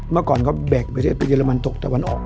เมื่อก่อนเขาแบกประเทศไปเยอรมันตกตะวันออก